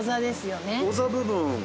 ゴザ部分。